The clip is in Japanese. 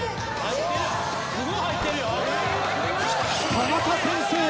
田中先生